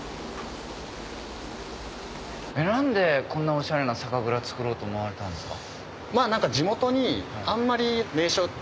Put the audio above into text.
何でこんなオシャレな酒蔵造ろうと思われたんですか？